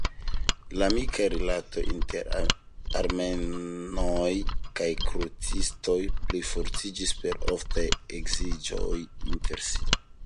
La amikaj rilatoj inter armenoj kaj krucistoj plifortiĝis per oftaj geedziĝoj inter si.